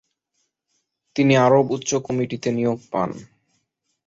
তিনি আরব উচ্চ কমিটিতে নিয়োগ পান।